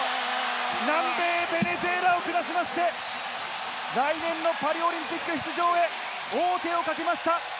南米ベネズエラを下しまして、来年のパリオリンピック出場へ、王手をかけました。